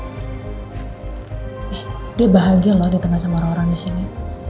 nih dia bahagia loh ditengah sama orang orang disini